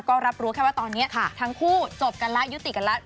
ก็รับรู้แค่ว่าตอนนี้ทั้งคู่จบกันแล้วยุติกันแล้ว